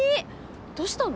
どうしたの？